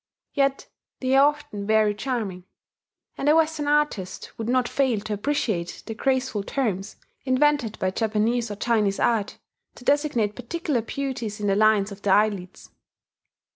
Yet they are often very charming; and a Western artist would not fail to appreciate the graceful terms, invented by Japanese or Chinese art, to designate particular beauties in the lines of the eyelids.